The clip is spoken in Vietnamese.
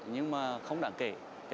nhưng mà không đáng kể